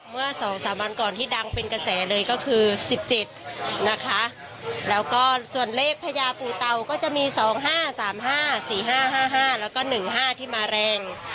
เมื่อ๒๓วันก่อนที่ดังเป็นกระแสเลยก็คือ๑๗นะคะแล้วก็ส่วนเลขพญาปูเตาก็จะมี๒๕๓๕๔๕๕แล้วก็๑๕ที่มาแรง